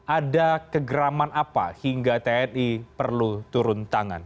ada kegeraman apa hingga tni perlu turun tangan